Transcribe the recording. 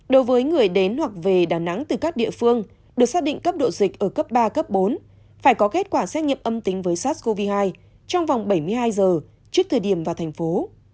đối với người đến hoặc về đà nẵng từ các địa phương được xác định cấp độ dịch ở cấp ba cấp bốn phải có kết quả xét nghiệm âm tính với sars cov hai trong vòng bảy mươi hai giờ trước thời điểm vào thành phố